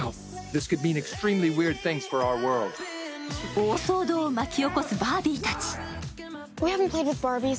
大騒動を巻き起こすバービーたち。